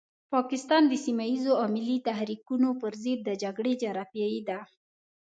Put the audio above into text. پاکستان د سيمه ييزو او ملي تحريکونو پرضد د جګړې جغرافيې ده.